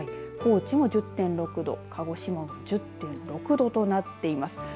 高知も１０．６度鹿児島も１０．６度となっています。